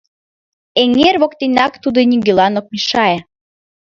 Эҥер воктенак тудо, нигӧлан ок мешае.